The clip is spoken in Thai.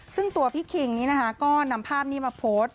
ซึ่งตัวพี่คิงนี้นะคะก็นำภาพนี้มาโพสต์